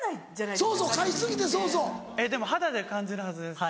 でも肌で感じるはずです。